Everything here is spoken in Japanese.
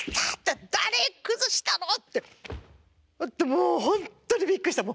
もう本当にびっくりした。